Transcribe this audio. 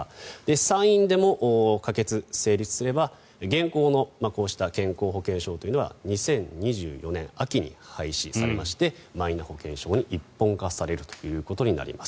参院でも可決・成立すれば現行のこうした健康保険証というのは２０２４年秋に廃止されましてマイナ保険証に一本化されるということになります。